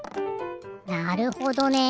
なるほどね。